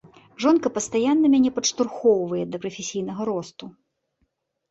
Жонка пастаянна мяне падштурхоўвае да прафесійнага росту.